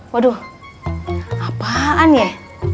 waduh apaan ya